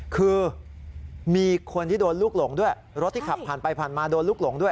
คือมีคนที่โดนลูกหลงด้วยรถที่ขับผ่านไปผ่านมาโดนลูกหลงด้วย